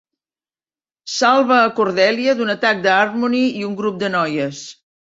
Salva a Cordelia d'un atac de Harmony i un grup de noies.